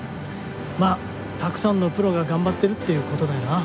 まあたくさんのプロが頑張っているっていう事だよな。